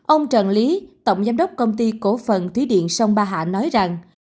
ông trần lý tổng giám đốc công ty cổ phần thủy điện sông ba hạ nói rằng